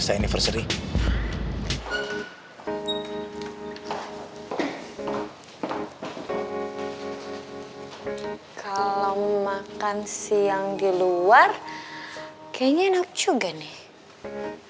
di luar kayaknya enak juga nih